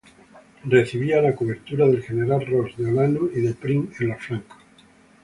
Recibía la cobertura del general Ros de Olano y de Prim en los flancos.